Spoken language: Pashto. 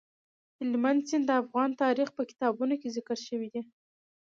هلمند سیند د افغان تاریخ په کتابونو کې ذکر شوی دي.